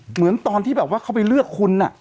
เหมือนตอนที่แบบว่าเขาไปเลือกคุณ